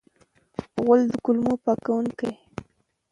غول د کولمو پاکونکی دی.